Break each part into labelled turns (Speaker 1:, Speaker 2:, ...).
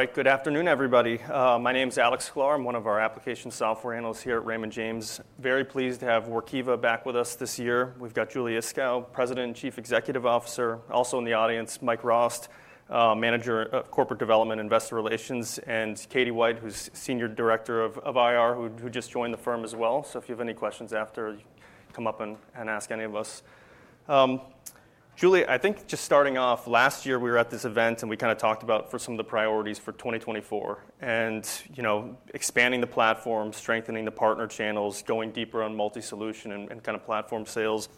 Speaker 1: All right, good afternoon, everybody. My name is Alex Sklar. I'm one of our Application Software Analysts here at Raymond James. Very pleased to have Workiva back with us this year. We've got Julie Iskow, President and Chief Executive Officer. Also in the audience, Mike Rost, Manager of Corporate Development and Investor Relations, and Katie White, who's Senior Director of IR, who just joined the firm as well. So if you have any questions after, come up and ask any of us. Julie, I think just starting off, last year we were at this event, and we kind of talked about some of the priorities for 2024, and expanding the platform, strengthening the partner channels, going deeper on multi-solution and kind of platform sales,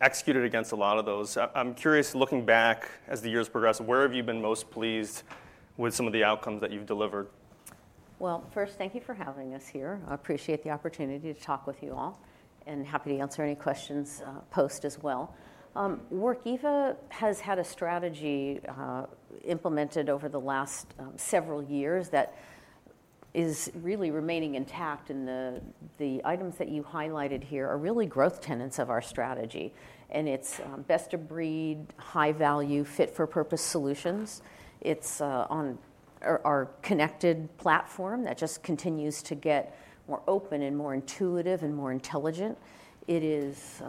Speaker 1: executed against a lot of those. I'm curious, looking back as the years progress, where have you been most pleased with some of the outcomes that you've delivered?
Speaker 2: First, thank you for having us here. I appreciate the opportunity to talk with you all, and happy to answer any questions post as well. Workiva has had a strategy implemented over the last several years that is really remaining intact, and the items that you highlighted here are really growth tenets of our strategy. It's best-of-breed, high-value, fit-for-purpose solutions. It's on our connected platform that just continues to get more open and more intuitive and more intelligent. It is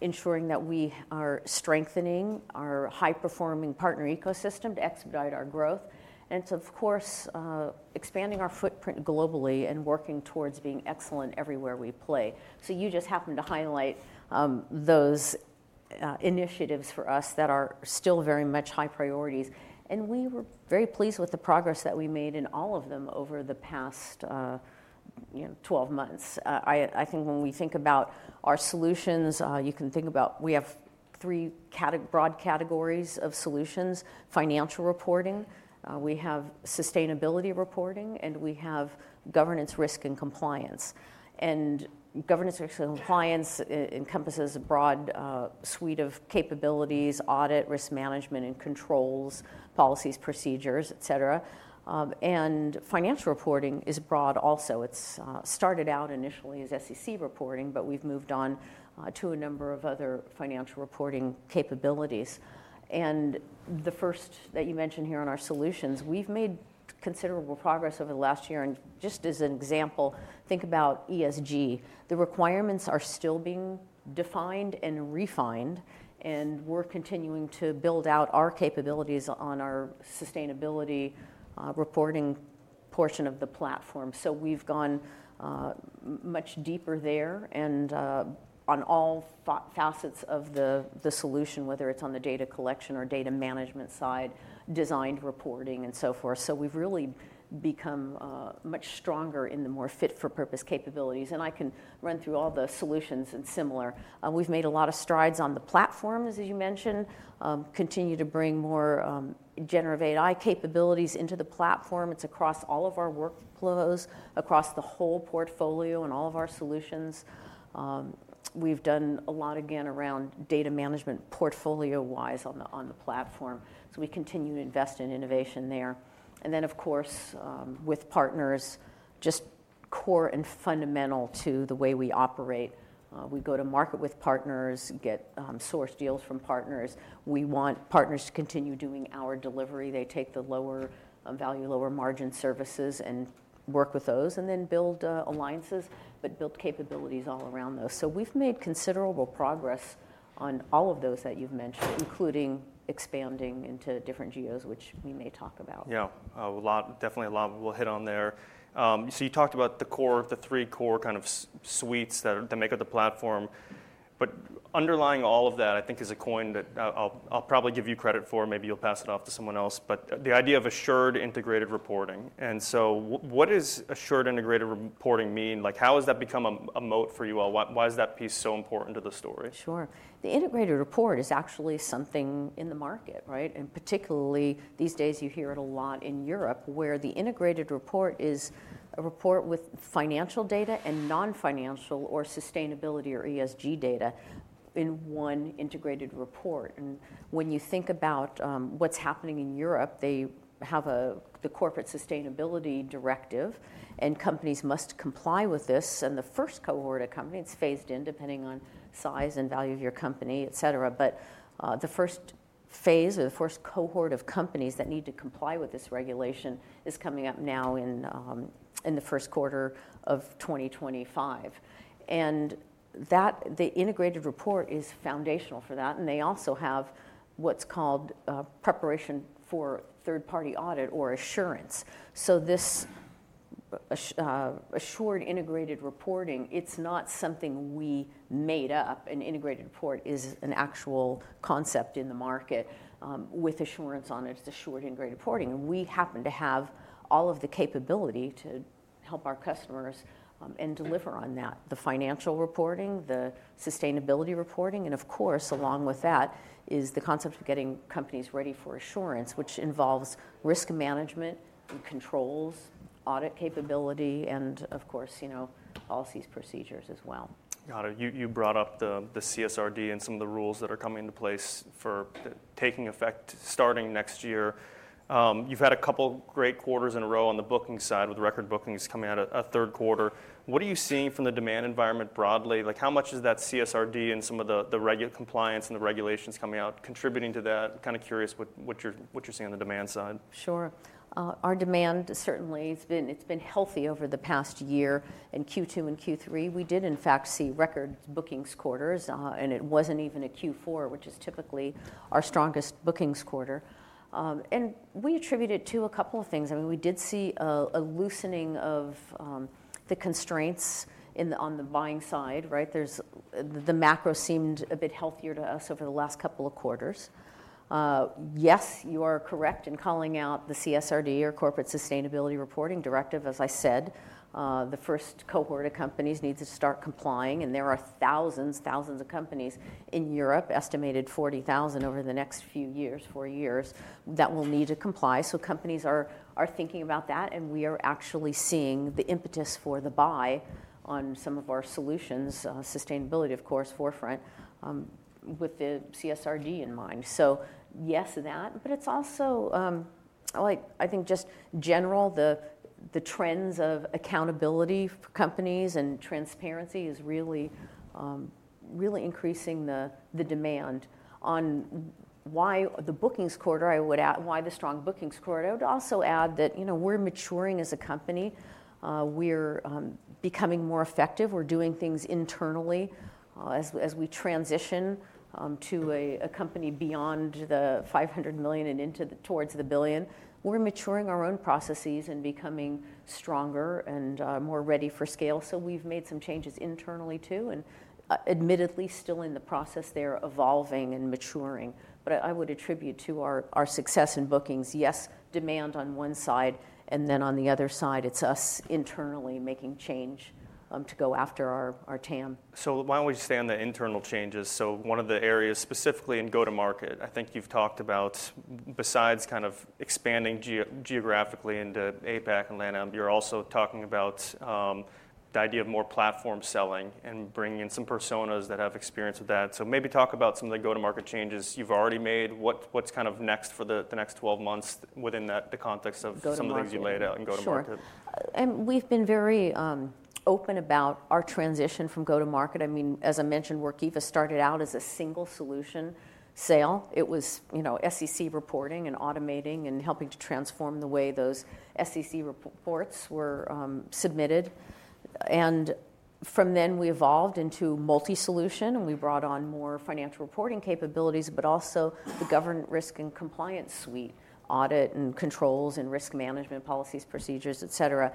Speaker 2: ensuring that we are strengthening our high-performing partner ecosystem to expedite our growth. It's, of course, expanding our footprint globally and working towards being excellent everywhere we play. You just happened to highlight those initiatives for us that are still very much high priorities. We were very pleased with the progress that we made in all of them over the past 12 months. I think when we think about our solutions, you can think about we have three broad categories of solutions: financial reporting, we have sustainability reporting, and we have governance, risk, and compliance. And governance, risk, and compliance encompasses a broad suite of capabilities, audit, risk management, and controls, policies, procedures, et cetera. And financial reporting is broad also. It started out initially as SEC reporting, but we've moved on to a number of other financial reporting capabilities. And the first that you mentioned here on our solutions, we've made considerable progress over the last year. And just as an example, think about ESG. The requirements are still being defined and refined, and we're continuing to build out our capabilities on our sustainability reporting portion of the platform. So we've gone much deeper there on all facets of the solution, whether it's on the data collection or data management side, designed reporting, and so forth. So we've really become much stronger in the more fit-for-purpose capabilities. And I can run through all the solutions and similar. We've made a lot of strides on the platforms, as you mentioned, continue to bring more generative AI capabilities into the platform. It's across all of our workflows, across the whole portfolio and all of our solutions. We've done a lot, again, around data management portfolio-wise on the platform. So we continue to invest in innovation there. And then, of course, with partners, just core and fundamental to the way we operate. We go to market with partners, get source deals from partners. We want partners to continue doing our delivery. They take the lower value, lower margin services and work with those and then build alliances, but build capabilities all around those. So we've made considerable progress on all of those that you've mentioned, including expanding into different geos, which we may talk about.
Speaker 1: Yeah, definitely a lot we'll hit on there. So you talked about the core, the three core kind of suites that make up the platform. But underlying all of that, I think, is a coin that I'll probably give you credit for. Maybe you'll pass it off to someone else. But the idea of Assured Integrated Reporting. And so what does Assured Integrated Reporting mean? How has that become a moat for you all? Why is that piece so important to the story?
Speaker 2: Sure. The integrated report is actually something in the market, right? And particularly these days, you hear it a lot in Europe, where the integrated report is a report with financial data and non-financial or sustainability or ESG data in one integrated report. And when you think about what's happening in Europe, they have the Corporate Sustainability Reporting Directive, and companies must comply with this. And the first cohort of companies, it's phased in depending on size and value of your company, et cetera. But the first phase or the first cohort of companies that need to comply with this regulation is coming up now in the first quarter of 2025. And the integrated report is foundational for that. And they also have what's called preparation for third-party audit or assurance. So this Assured Integrated Reporting, it's not something we made up. An integrated report is an actual concept in the market with assurance on it. It's Assured Integrated Reporting. And we happen to have all of the capability to help our customers and deliver on that: the financial reporting, the sustainability reporting. And of course, along with that is the concept of getting companies ready for assurance, which involves risk management and controls, audit capability, and of course, policies, procedures as well.
Speaker 1: Got it. You brought up the CSRD and some of the rules that are coming into place for taking effect starting next year. You've had a couple great quarters in a row on the booking side with record bookings coming out of third quarter. What are you seeing from the demand environment broadly? How much is that CSRD and some of the regular compliance and the regulations coming out contributing to that? Kind of curious what you're seeing on the demand side?
Speaker 2: Sure. Our demand certainly has been healthy over the past year. In Q2 and Q3, we did, in fact, see record bookings quarters, and it wasn't even a Q4, which is typically our strongest bookings quarter. And we attribute it to a couple of things. I mean, we did see a loosening of the constraints on the buying side, right? The macro seemed a bit healthier to us over the last couple of quarters. Yes, you are correct in calling out the CSRD or Corporate Sustainability Reporting Directive. As I said, the first cohort of companies needs to start complying. And there are thousands, thousands of companies in Europe, estimated 40,000 over the next few years, four years, that will need to comply. So companies are thinking about that. And we are actually seeing the impetus for the buy on some of our solutions, sustainability, of course, forefront with the CSRD in mind. So yes, that, but it's also, I think, just general, the trends of accountability for companies and transparency is really increasing the demand on why the bookings quarter, I would add, why the strong bookings quarter. I would also add that we're maturing as a company. We're becoming more effective. We're doing things internally as we transition to a company beyond the 500 million and into towards the billion. We're maturing our own processes and becoming stronger and more ready for scale. So we've made some changes internally too. And admittedly, still in the process, they're evolving and maturing. But I would attribute to our success in bookings, yes, demand on one side, and then on the other side, it's us internally making change to go after our TAM.
Speaker 1: So why don't we just stay on the internal changes? So one of the areas specifically in go-to-market, I think you've talked about, besides kind of expanding geographically into APAC and LATAM, you're also talking about the idea of more platform selling and bringing in some personas that have experience with that. So maybe talk about some of the go-to-market changes you've already made. What's kind of next for the next 12 months within the context of some of the things you laid out in go-to-market?
Speaker 2: Sure, and we've been very open about our transition from go-to-market. I mean, as I mentioned, Workiva started out as a single solution sale. It was SEC reporting and automating and helping to transform the way those SEC reports were submitted, and from then, we evolved into multi-solution, and we brought on more financial reporting capabilities, but also the governance, risk, and compliance suite, audit and controls and risk management policies, procedures, et cetera.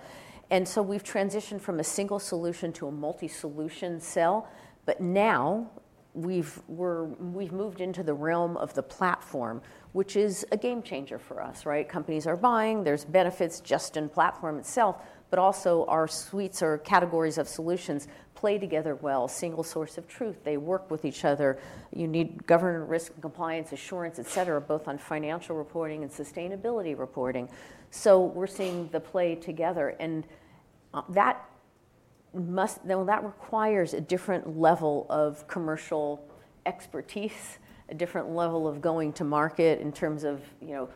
Speaker 2: And so we've transitioned from a single solution to a multi-solution sell, but now we've moved into the realm of the platform, which is a game changer for us, right? Companies are buying. There's benefits just in the platform itself, but also our suites or categories of solutions play together well. Single source of truth. They work with each other. You need governance, risk, and compliance, assurance, et cetera, both on financial reporting and sustainability reporting. We're seeing the play together. And that requires a different level of commercial expertise, a different level of going to market in terms of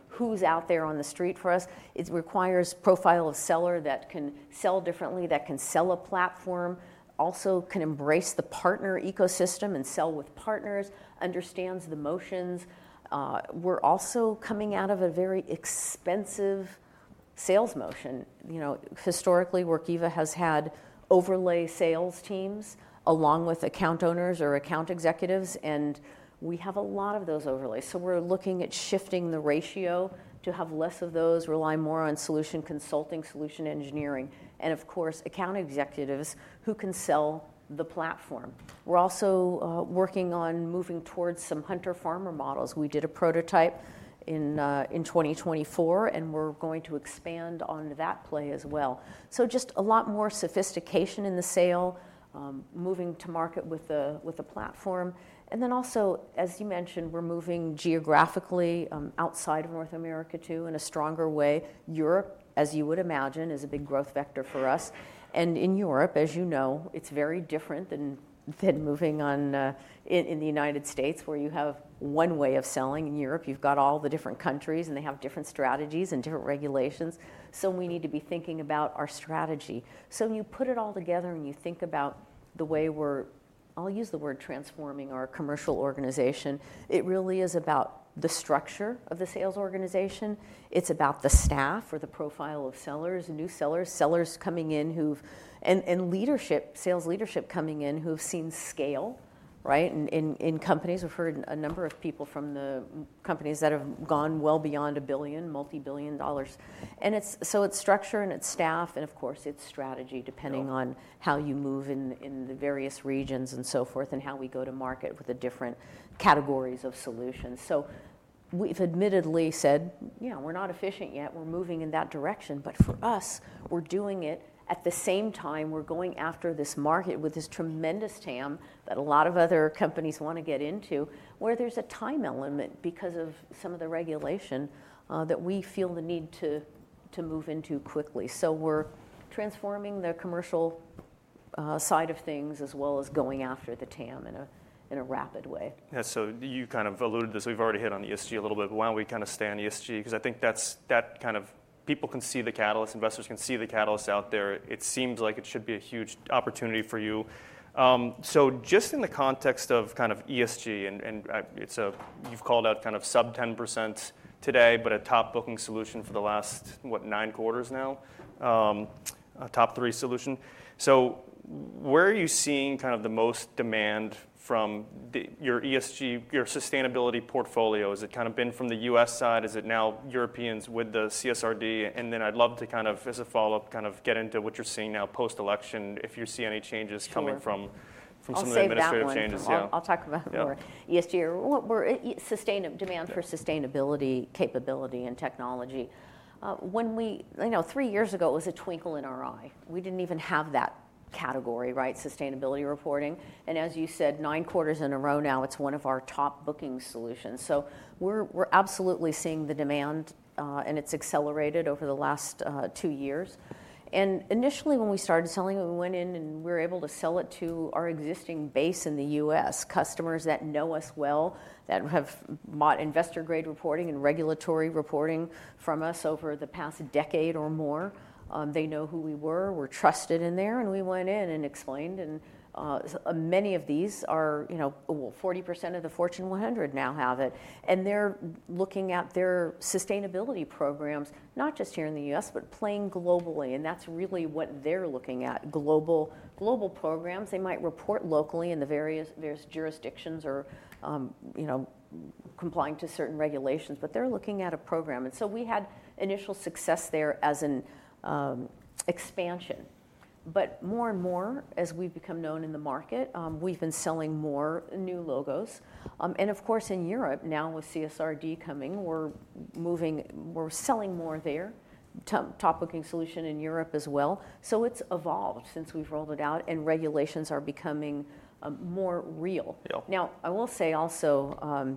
Speaker 2: who's out there on the street for us. It requires a profile of seller that can sell differently, that can sell a platform, also can embrace the partner ecosystem and sell with partners, understands the motions. We're also coming out of a very expensive sales motion. Historically, Workiva has had overlay sales teams along with account owners or account executives, and we have a lot of those overlays. So we're looking at shifting the ratio to have less of those, rely more on solution consulting, solution engineering, and of course, account executives who can sell the platform. We're also working on moving towards some hunter-farmer models. We did a prototype in 2024, and we're going to expand on that play as well. So just a lot more sophistication in the sale, moving to market with a platform. And then also, as you mentioned, we're moving geographically outside of North America too in a stronger way. Europe, as you would imagine, is a big growth vector for us. And in Europe, as you know, it's very different than moving in the United States, where you have one way of selling. In Europe, you've got all the different countries, and they have different strategies and different regulations. So we need to be thinking about our strategy. So when you put it all together and you think about the way we're, I'll use the word transforming our commercial organization, it really is about the structure of the sales organization. It's about the staff or the profile of sellers, new sellers, sellers coming in, and leadership, sales leadership coming in who've seen scale, right, in companies. We've hired a number of people from the companies that have gone well beyond a billion, multi-billion dollars. And so it's its structure and its staff, and of course, its strategy depending on how you move in the various regions and so forth and how we go to market with the different categories of solutions. So we've admittedly said, yeah, we're not efficient yet. We're moving in that direction. But for us, we're doing it at the same time. We're going after this market with this tremendous TAM that a lot of other companies want to get into, where there's a time element because of some of the regulation that we feel the need to move into quickly. So we're transforming the commercial side of things as well as going after the TAM in a rapid way.
Speaker 1: Yeah. So you kind of alluded to this. We've already hit on ESG a little bit. But why don't we kind of stay on ESG? Because I think that kind of people can see the catalyst. Investors can see the catalyst out there. It seems like it should be a huge opportunity for you. So just in the context of kind of ESG, and you've called out kind of sub 10% today, but a top booking solution for the last, what, nine quarters now, a top three solution. So where are you seeing kind of the most demand from your ESG, your sustainability portfolio? Has it kind of been from the U.S. side? Is it now Europeans with the CSRD? Then I'd love to kind of, as a follow-up, kind of get into what you're seeing now post-election, if you see any changes coming from some of the administrative changes.
Speaker 2: I'll talk about more ESG or sustainable demand for sustainability capability and technology. Three years ago, it was a twinkle in our eye. We didn't even have that category, right, sustainability reporting. And as you said, nine quarters in a row now, it's one of our top booking solutions. So we're absolutely seeing the demand, and it's accelerated over the last two years. And initially, when we started selling, we went in and we were able to sell it to our existing base in the U.S., customers that know us well, that have bought investor-grade reporting and regulatory reporting from us over the past decade or more. They know who we were. We're trusted in there. And we went in and explained. And many of these are, well, 40% of the Fortune 100 now have it. And they're looking at their sustainability programs, not just here in the U.S., but planning globally. And that's really what they're looking at, global programs. They might report locally in the various jurisdictions or complying to certain regulations, but they're looking at a program. And so we had initial success there as an expansion. But more and more, as we've become known in the market, we've been selling more new logos. And of course, in Europe now with CSRD coming, we're selling more there, top booking solution in Europe as well. So it's evolved since we've rolled it out, and regulations are becoming more real. Now, I will say also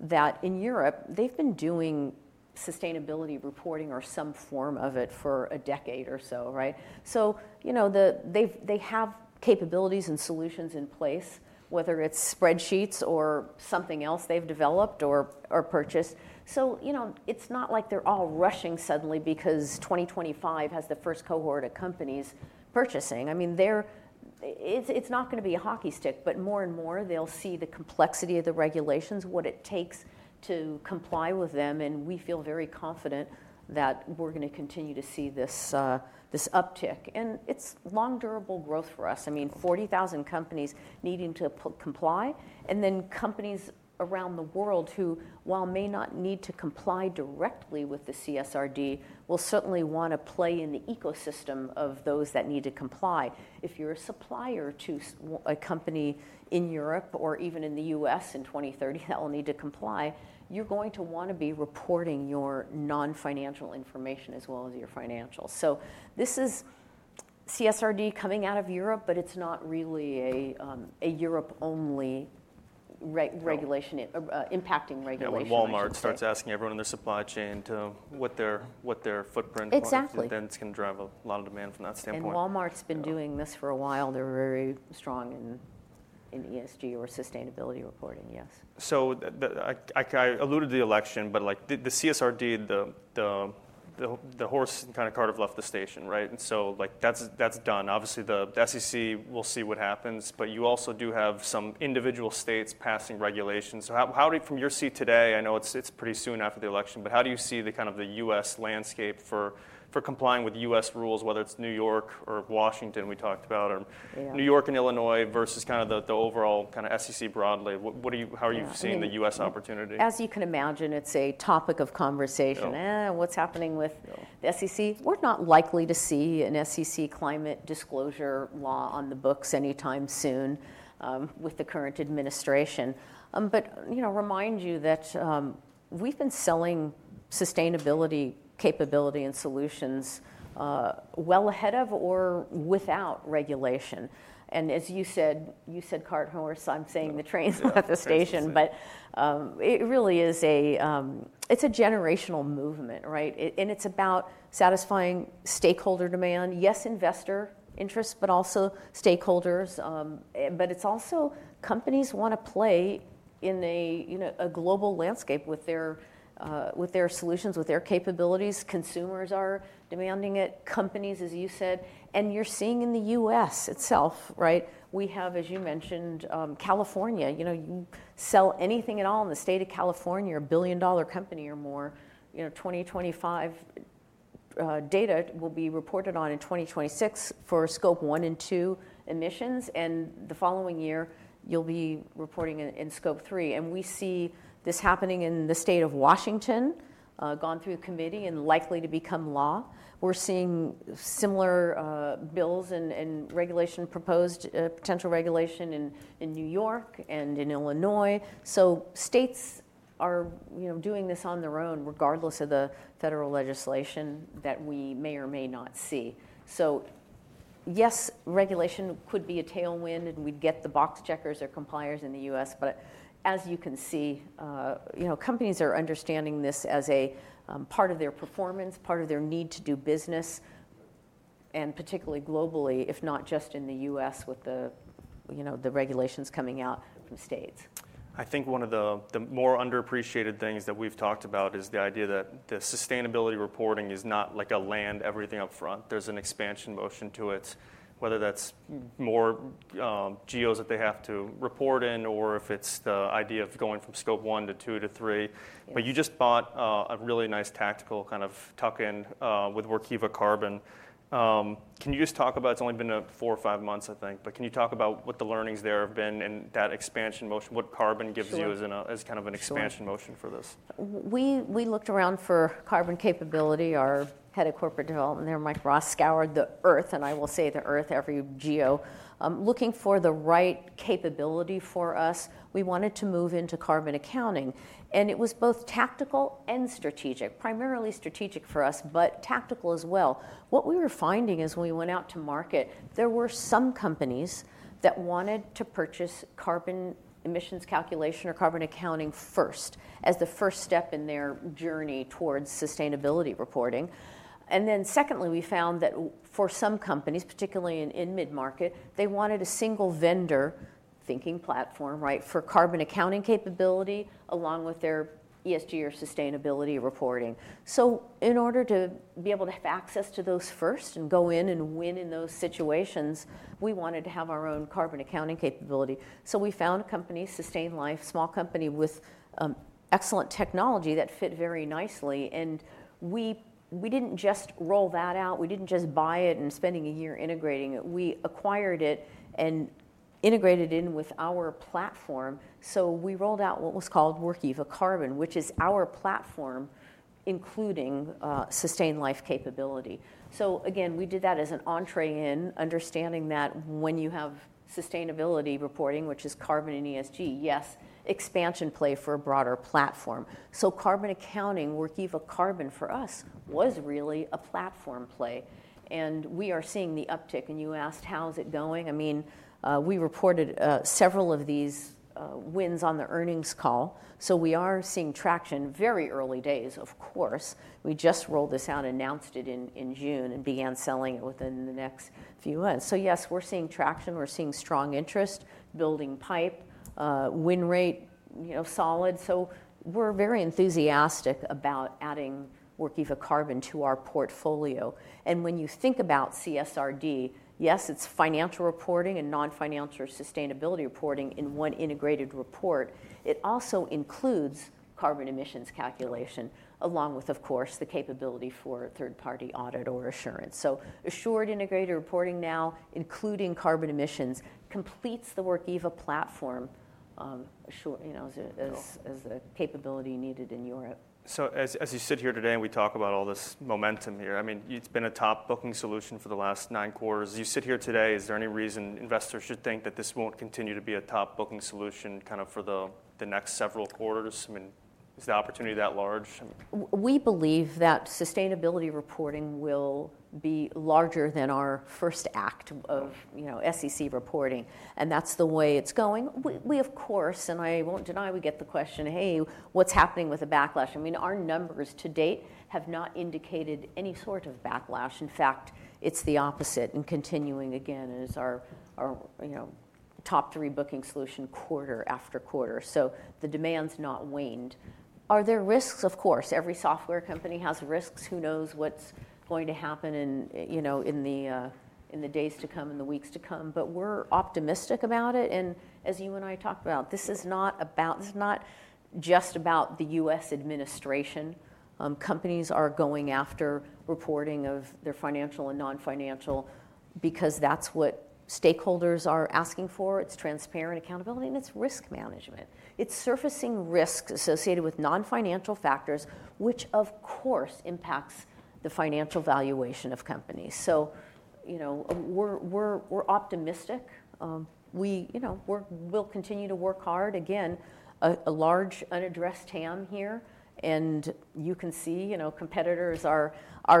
Speaker 2: that in Europe, they've been doing sustainability reporting or some form of it for a decade or so, right? So they have capabilities and solutions in place, whether it's spreadsheets or something else they've developed or purchased. So it's not like they're all rushing suddenly because 2025 has the first cohort of companies purchasing. I mean, it's not going to be a hockey stick, but more and more, they'll see the complexity of the regulations, what it takes to comply with them. And we feel very confident that we're going to continue to see this uptick. And it's long-term durable growth for us. I mean, 40,000 companies needing to comply. And then companies around the world who, while may not need to comply directly with the CSRD, will certainly want to play in the ecosystem of those that need to comply. If you're a supplier to a company in Europe or even in the U.S. in 2030 that will need to comply, you're going to want to be reporting your non-financial information as well as your financials. This is CSRD coming out of Europe, but it's not really a Europe-only regulation, impacting regulation.
Speaker 1: Yeah. Walmart starts asking everyone in their supply chain to what their footprint was.
Speaker 2: Exactly.
Speaker 1: Then it's going to drive a lot of demand from that standpoint.
Speaker 2: Walmart's been doing this for a while. They're very strong in ESG or sustainability reporting, yes.
Speaker 1: So I alluded to the election, but the CSRD, the horse and kind of cart have left the station, right? And so that's done. Obviously, the SEC will see what happens, but you also do have some individual states passing regulations. So from your seat today, I know it's pretty soon after the election, but how do you see the kind of the U.S. landscape for complying with U.S. rules, whether it's New York or Washington we talked about, or New York and Illinois versus kind of the overall kind of SEC broadly? How are you seeing the U.S. opportunity?
Speaker 2: As you can imagine, it's a topic of conversation. What's happening with the SEC? We're not likely to see an SEC climate disclosure law on the books anytime soon with the current administration. But remind you that we've been selling sustainability capability and solutions well ahead of or without regulation. And as you said, you said cart horse. I'm saying the trains left the station. But it really is a generational movement, right? And it's about satisfying stakeholder demand, yes, investor interests, but also stakeholders. But it's also companies want to play in a global landscape with their solutions, with their capabilities. Consumers are demanding it, companies, as you said. And you're seeing in the U.S. itself, right? We have, as you mentioned, California. You sell anything at all in the state of California, a billion-dollar company or more. 2025 data will be reported on in 2026 for Scope 1 and 2 emissions. And the following year, you'll be reporting in Scope 3. And we see this happening in the state of Washington, gone through a committee and likely to become law. We're seeing similar bills and regulation proposed, potential regulation in New York and in Illinois. So states are doing this on their own, regardless of the federal legislation that we may or may not see. So yes, regulation could be a tailwind, and we'd get the box checkers or compliers in the U.S. But as you can see, companies are understanding this as a part of their performance, part of their need to do business, and particularly globally, if not just in the U.S. with the regulations coming out from states.
Speaker 1: I think one of the more underappreciated things that we've talked about is the idea that the sustainability reporting is not like a land everything up front. There's an expansion motion to it, whether that's more geos that they have to report in or if it's the idea of going from Scope 1-2-3. But you just bought a really nice tactical kind of tuck-in with Workiva Carbon. Can you just talk about? It's only been four or five months, I think, but can you talk about what the learnings there have been and that expansion motion, what carbon gives you as kind of an expansion motion for this?
Speaker 2: We looked around for carbon capability. Our head of corporate development there, Mike Rost, scoured the earth, and I will say the earth, every geo, looking for the right capability for us. We wanted to move into carbon accounting, and it was both tactical and strategic, primarily strategic for us, but tactical as well. What we were finding is when we went out to market, there were some companies that wanted to purchase carbon emissions calculation or carbon accounting first as the first step in their journey towards sustainability reporting, and then secondly, we found that for some companies, particularly in mid-market, they wanted a single vendor thinking platform, right, for carbon accounting capability along with their ESG or sustainability reporting, so in order to be able to have access to those first and go in and win in those situations, we wanted to have our own carbon accounting capability. So we found a company, Sustain.Life, a small company with excellent technology that fit very nicely. And we didn't just roll that out. We didn't just buy it and spend a year integrating it. We acquired it and integrated it in with our platform. So we rolled out what was called Workiva Carbon, which is our platform, including Sustain.Life capability. So again, we did that as an entree in, understanding that when you have sustainability reporting, which is Carbon and ESG, yes, expansion play for a broader platform. So carbon accounting, Workiva Carbon for us was really a platform play. And we are seeing the uptick. And you asked, how's it going? I mean, we reported several of these wins on the earnings call. So we are seeing traction, very early days, of course. We just rolled this out, announced it in June, and began selling it within the next few months. So yes, we're seeing traction. We're seeing strong interest, building pipe, win rate solid. So we're very enthusiastic about adding Workiva Carbon to our portfolio. And when you think about CSRD, yes, it's financial reporting and non-financial sustainability reporting in one integrated report. It also includes carbon emissions calculation along with, of course, the capability for third-party audit or assurance. So assured integrated reporting now, including carbon emissions, completes the Workiva platform as a capability needed in Europe.
Speaker 1: So as you sit here today and we talk about all this momentum here, I mean, it's been a top booking solution for the last nine quarters. You sit here today, is there any reason investors should think that this won't continue to be a top booking solution kind of for the next several quarters? I mean, is the opportunity that large?
Speaker 2: We believe that sustainability reporting will be larger than our first act of SEC reporting, and that's the way it's going. We, of course, and I won't deny we get the question, hey, what's happening with the backlash? I mean, our numbers to date have not indicated any sort of backlash. In fact, it's the opposite, and continuing again is our top three booking solution quarter after quarter, so the demand's not waned. Are there risks? Of course. Every software company has risks. Who knows what's going to happen in the days to come, in the weeks to come, but we're optimistic about it, and as you and I talked about, this is not just about the U.S. Administration. Companies are going after reporting of their financial and non-financial because that's what stakeholders are asking for. It's transparent accountability, and it's risk management. It's surfacing risks associated with non-financial factors, which of course impacts the financial valuation of companies, so we're optimistic. We will continue to work hard. Again, a large unaddressed TAM here, and you can see competitors are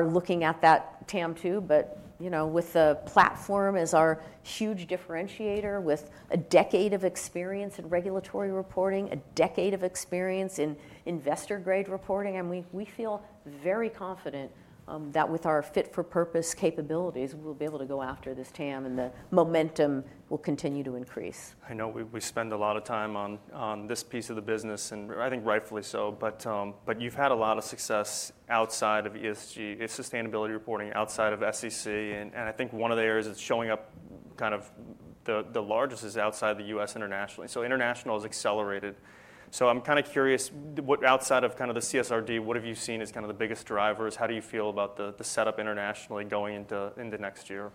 Speaker 2: looking at that TAM too, but with the platform as our huge differentiator, with a decade of experience in regulatory reporting, a decade of experience in investor-grade reporting, and we feel very confident that with our fit-for-purpose capabilities, we'll be able to go after this TAM, and the momentum will continue to increase.
Speaker 1: I know we spend a lot of time on this piece of the business, and I think rightfully so. But you've had a lot of success outside of ESG, sustainability reporting outside of SEC. And I think one of the areas that's showing up kind of the largest is outside the U.S. internationally. So international has accelerated. So I'm kind of curious, outside of kind of the CSRD, what have you seen as kind of the biggest drivers? How do you feel about the setup internationally going into next year?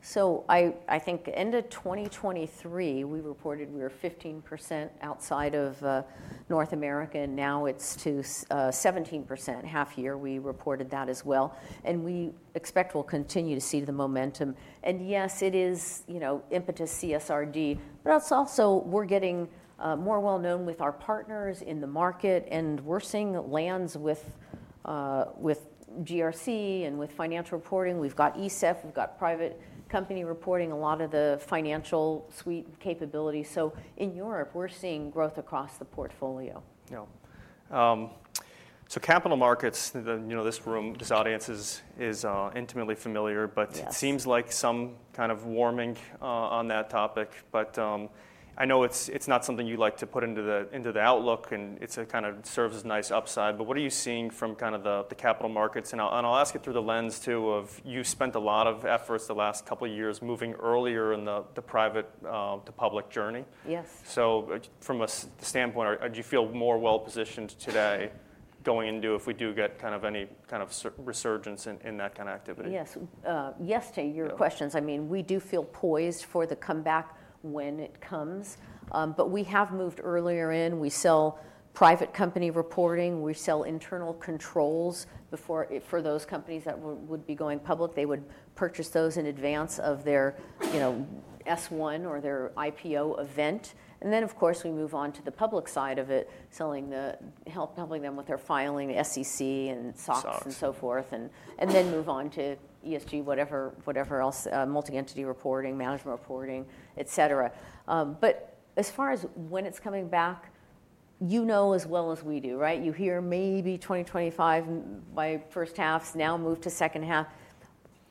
Speaker 2: So, I think end of 2023, we reported we were 15% outside of North America. Now it's to 17%, half year. We reported that as well. And we expect we'll continue to see the momentum. And yes, it is impetus CSRD, but it's also we're getting more well-known with our partners in the market. And we're seeing lands with GRC and with financial reporting. We've got ESEF. We've got private company reporting, a lot of the financial suite capability. So in Europe, we're seeing growth across the portfolio.
Speaker 1: Yeah. So capital markets, this room, this audience is intimately familiar, but it seems like some kind of warming on that topic. But I know it's not something you like to put into the outlook, and it kind of serves as a nice upside. But what are you seeing from kind of the capital markets? And I'll ask it through the lens too of you spent a lot of efforts the last couple of years moving earlier in the private-to-public journey.
Speaker 2: Yes.
Speaker 1: So from a standpoint, do you feel more well-positioned today going into if we do get kind of any kind of resurgence in that kind of activity?
Speaker 2: Yes. Yes to your questions. I mean, we do feel poised for the comeback when it comes. But we have moved earlier in. We sell private company reporting. We sell internal controls for those companies that would be going public. They would purchase those in advance of their S-1 or their IPO event. And then, of course, we move on to the public side of it, helping them with their filing, SEC and SOX and so forth, and then move on to ESG, whatever else, multi-entity reporting, management reporting, et cetera. But as far as when it's coming back, you know as well as we do, right? You hear maybe 2025, my first half's now moved to second half.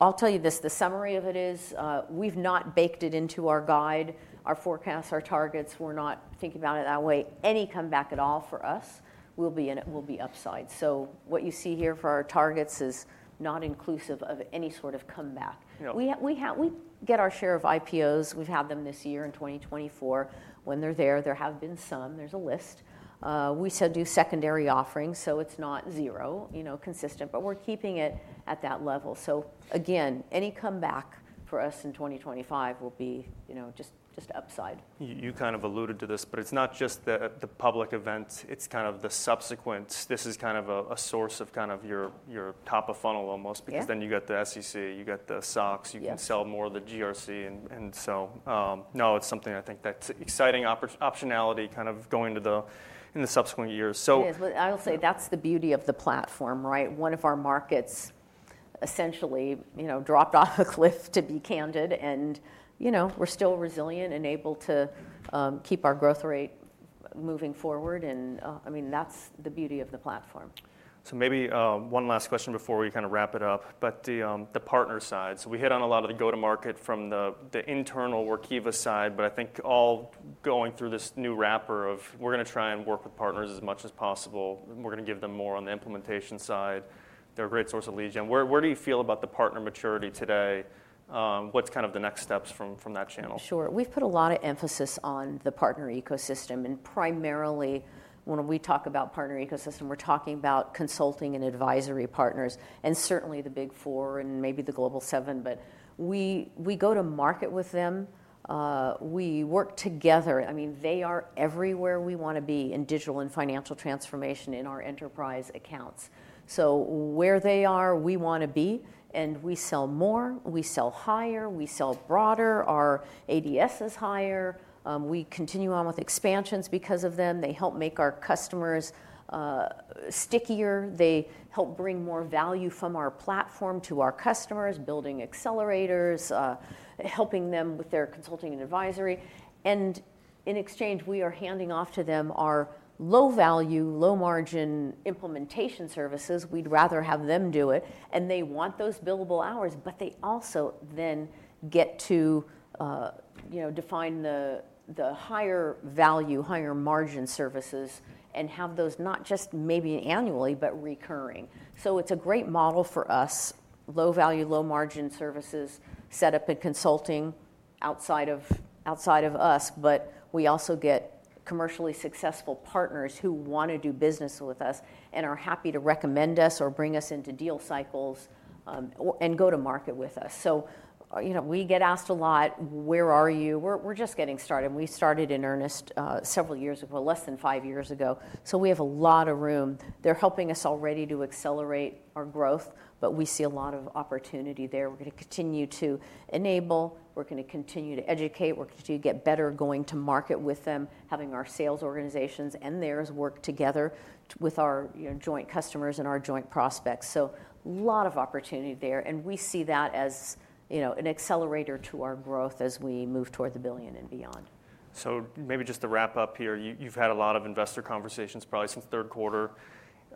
Speaker 2: I'll tell you this. The summary of it is we've not baked it into our guide, our forecasts, our targets. We're not thinking about it that way. Any comeback at all for us will be upside. So what you see here for our targets is not inclusive of any sort of comeback. We get our share of IPOs. We've had them this year in 2024. When they're there, there have been some. There's a list. We do secondary offerings, so it's not zero consistent, but we're keeping it at that level. So again, any comeback for us in 2025 will be just upside.
Speaker 1: You kind of alluded to this, but it's not just the public events. It's kind of the subsequent. This is kind of a source of kind of your top of funnel almost because then you got the SEC, you got the SOX, you can sell more of the GRC. And so now it's something I think that's exciting optionality kind of going into the subsequent years.
Speaker 2: It is. But I'll say that's the beauty of the platform, right? One of our markets essentially dropped off a cliff, to be candid. And we're still resilient and able to keep our growth rate moving forward. And I mean, that's the beauty of the platform.
Speaker 1: So, maybe one last question before we kind of wrap it up, but the partner side. So we hit on a lot of the go-to-market from the internal Workiva side, but I think all going through this new wrapper of we're going to try and work with partners as much as possible. We're going to give them more on the implementation side. They're a great source of leads. And where do you feel about the partner maturity today? What's kind of the next steps from that channel?
Speaker 2: Sure. We've put a lot of emphasis on the partner ecosystem. And primarily, when we talk about partner ecosystem, we're talking about consulting and advisory partners, and certainly the Big Four and maybe the Global Seven. But we go to market with them. We work together. I mean, they are everywhere we want to be in digital and financial transformation in our enterprise accounts. So where they are, we want to be. And we sell more. We sell higher. We sell broader. Our ADS is higher. We continue on with expansions because of them. They help make our customers stickier. They help bring more value from our platform to our customers, building accelerators, helping them with their consulting and advisory. And in exchange, we are handing off to them our low-value, low-margin implementation services. We'd rather have them do it. They want those billable hours, but they also then get to define the higher value, higher margin services and have those not just maybe annually, but recurring. So it's a great model for us, low-value, low-margin services set up in consulting outside of us, but we also get commercially successful partners who want to do business with us and are happy to recommend us or bring us into deal cycles and go to market with us. So we get asked a lot, where are you? We're just getting started. We started in earnest several years ago, less than five years ago. So we have a lot of room. They're helping us already to accelerate our growth, but we see a lot of opportunity there. We're going to continue to enable. We're going to continue to educate. We're going to get better going to market with them, having our sales organizations and theirs work together with our joint customers and our joint prospects. So a lot of opportunity there. And we see that as an accelerator to our growth as we move toward the billion and beyond.
Speaker 1: So maybe just to wrap up here, you've had a lot of investor conversations probably since third quarter.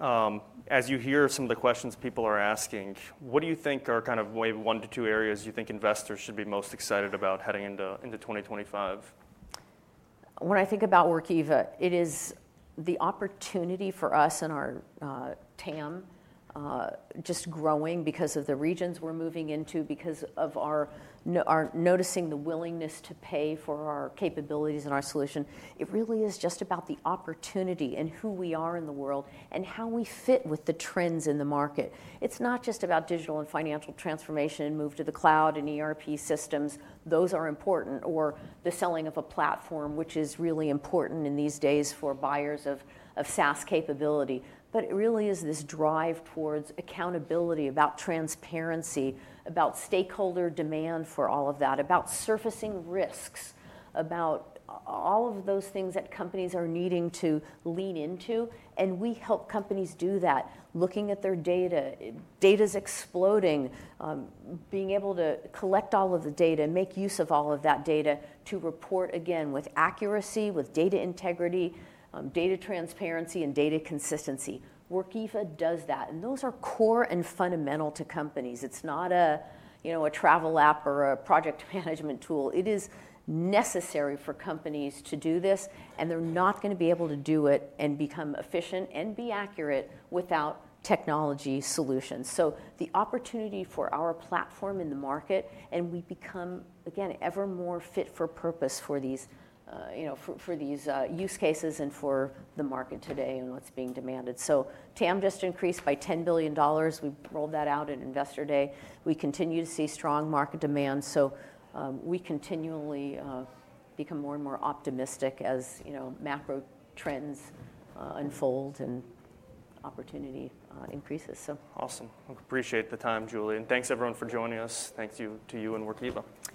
Speaker 1: As you hear some of the questions people are asking, what do you think are kind of maybe one to two areas you think investors should be most excited about heading into 2025?
Speaker 2: When I think about Workiva, it is the opportunity for us and our TAM just growing because of the regions we're moving into, because of our noticing the willingness to pay for our capabilities and our solution. It really is just about the opportunity and who we are in the world and how we fit with the trends in the market. It's not just about digital and financial transformation and move to the cloud and ERP systems. Those are important, or the selling of a platform, which is really important in these days for buyers of SaaS capability. But it really is this drive towards accountability, about transparency, about stakeholder demand for all of that, about surfacing risks, about all of those things that companies are needing to lean into. And we help companies do that, looking at their data. Data's exploding. Being able to collect all of the data, make use of all of that data to report again with accuracy, with data integrity, data transparency, and data consistency. Workiva does that, and those are core and fundamental to companies. It's not a travel app or a project management tool. It is necessary for companies to do this, and they're not going to be able to do it and become efficient and be accurate without technology solutions. The opportunity for our platform in the market continues to grow, and we become, again, ever more fit for purpose for these use cases and for the market today and what's being demanded. TAM just increased by $10 billion. We rolled that out at investor day. We continue to see strong market demand, so we continually become more and more optimistic as macro trends unfold and opportunity increases.
Speaker 1: Awesome. Appreciate the time, Julie. And thanks, everyone, for joining us. Thank you to you and Workiva.
Speaker 2: Thanks.